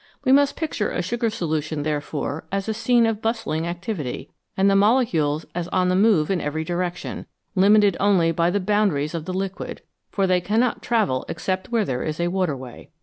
We must picture a sugar solution, therefore, as a scene of bustling activity, and the molecules as on the move in every direction, limited only by the boundaries of the liquid ; for they cannot travel except where there is a water way.